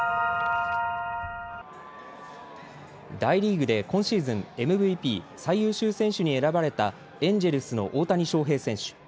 大リーグで今シーズン、ＭＶＰ・最優秀選手に選ばれたエンジェルスの大谷翔平選手。